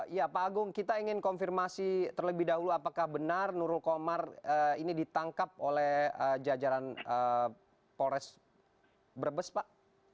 ya pak agung kita ingin konfirmasi terlebih dahulu apakah benar nurul komar ini ditangkap oleh jajaran polres brebes pak